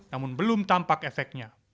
namun belum tampak efeknya